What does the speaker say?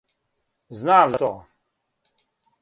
Знам за то.